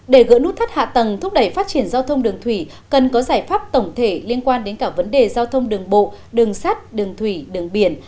để gỡ nút thắt hạ tầng thúc đẩy phát triển giao thông đường thủy cần có giải pháp tổng thể liên quan đến cả vấn đề giao thông đường bộ đường sắt đường thủy đường biển